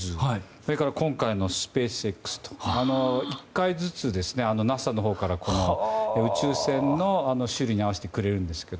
それから今回のスペースＸとか１回ずつ、ＮＡＳＡのほうから宇宙船の種類に合わせてくれるんですけど。